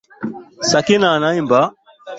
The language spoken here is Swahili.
Sakina anaimba.